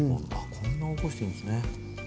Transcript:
こんなおこしていいんですね。